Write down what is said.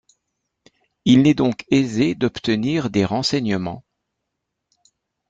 Il n'est donc aisé d'obtenir des renseignements.